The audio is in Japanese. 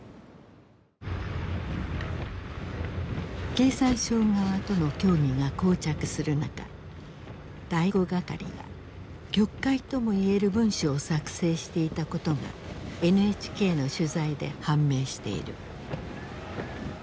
経産省側との協議が膠着する中第五係が曲解ともいえる文書を作成していたことがＮＨＫの取材で判明している。